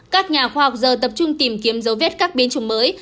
các nhà khoa học giờ tập trung tìm kiếm dấu vết các biến chủng mới